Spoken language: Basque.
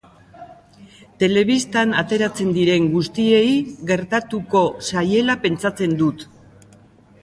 Telebistan ateratzen diren guztiei gertatuko zaiela pentsatzen dut.